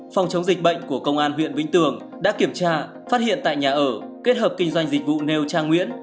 phòng chống dịch bệnh của công an huyện vĩnh tường đã kiểm tra phát hiện tại nhà ở kết hợp kinh doanh dịch vụ nêu trang nguyễn